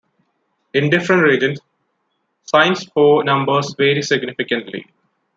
In different regions signs for numbers vary significantly.